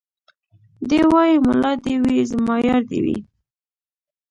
دی وايي ملا دي وي زما يار دي وي